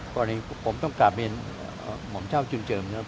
ผมต้องกลับเรียนหม่อมเจ้าจุนเจิมนะครับ